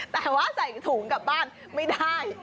แต่ว่าใส่ถุงกลับบ้านไม่ได้